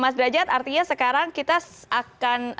mas derajat artinya sekarang kita akan